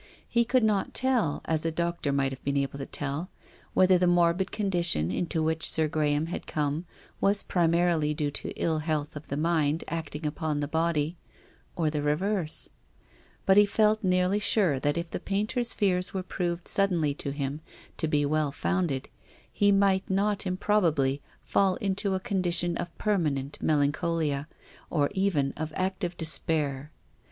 He could not tell, as a doctor might have been able to tell, whether the morbid condition into which Sir Graham had come was primarily due to ill health of the mind acting upon the body or the reverse. But he felt nearly sure that if the painter's fears were proved suddenly to him to be well founded, he might not improbably fall into a con dition of permanent melancholia, or even of active despair.